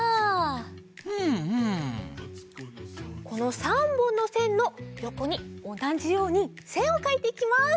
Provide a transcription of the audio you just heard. この３ぼんのせんのよこにおなじようにせんをかいていきます。